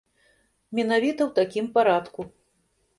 Менавіта ў такім парадку.